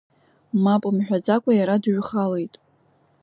Мап мҳәаӡакәа, иара дыҩхалеит.